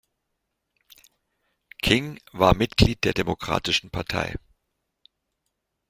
King war Mitglied der Demokratischen Partei.